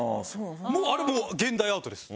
もうあれも現代アートです。